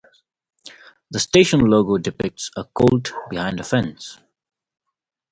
The station logo depicts a colt behind a fence.